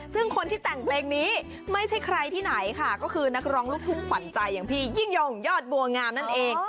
ซึ่งคนที่แต่งเพลงนี้ไม่ใช่ใครที่ไหนค่ะก็คือนักร้องลูกทุ่งขวัญใจอย่างพี่ยิ่งยงยอดบัวงามนั่นเอง